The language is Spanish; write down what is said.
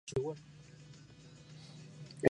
Gracias a esto, Agron ganó muchos premios y nominaciones.